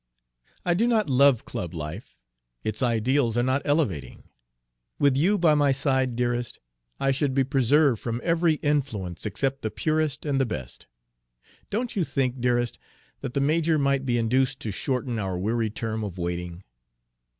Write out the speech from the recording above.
I do not love club life; its ideals are not elevating. With you by my side, dearest, I should be preserved from every influence except the purest and the best. Don't you think, dearest, that the major might be induced to shorten our weary term of waiting?"